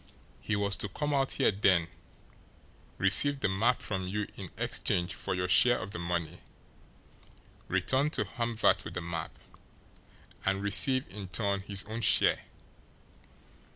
He was to come out here then, receive the map from you in exchange for your share of the money, return to Hamvert with the map, and receive in turn his own share.